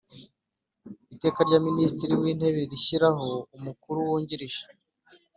Iteka rya Minisitiri w’Intebe rishyiraho Umukuru Wungirije